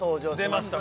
出ました